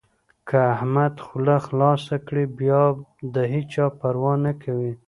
که احمد خوله خلاصه کړي؛ بيا د هيچا پروا نه کوي.